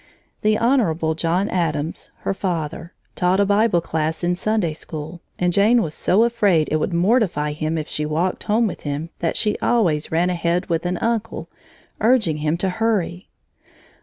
The Honorable John Addams (her father) taught a Bible class in Sunday school, and Jane was so afraid it would mortify him if she walked home with him that she always ran ahead with an uncle, urging him to hurry.